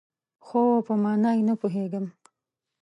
خو، په مانا یې نه پوهیږم